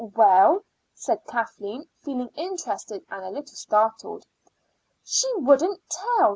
"Well?" said Kathleen, feeling interested and a little startled. "She wouldn't tell."